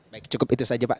baik cukup itu saja pak